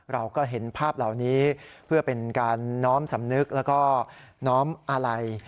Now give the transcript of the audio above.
เราก็เห็นภาพเหล่านี้เพื่อเป็นการน้อมสำนึกแล้วก็น้อมอาลัย